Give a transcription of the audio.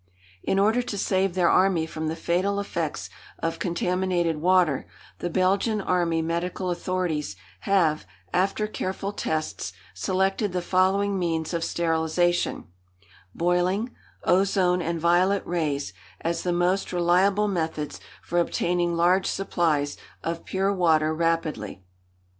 "In order to save their army from the fatal effects of contaminated water, the Belgian Army medical authorities have, after careful tests, selected the following means of sterilisation boiling, ozone and violet rays as the most reliable methods for obtaining large supplies of pure water rapidly.